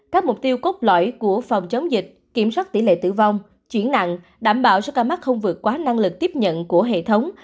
các mục tiêu cốt lõi của phòng chống dịch kiểm soát tỷ lệ tử vong chuyển nặng đảm bảo số ca mắc không vượt quá năng lực tiếp nhận của hệ thống